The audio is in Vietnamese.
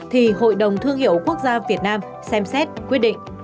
thì hội đồng thương hiệu quốc gia việt nam xem xét quyết định